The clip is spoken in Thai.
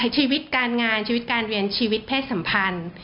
ชีวิตการงานชีวิตการเรียนชีวิตเพศสัมพันธ์